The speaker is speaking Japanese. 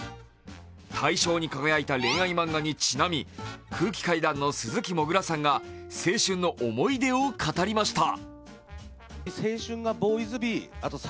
大賞に輝いた恋愛漫画にちなみ、空気階段の鈴木もぐらさんが青春の思い出を語りました。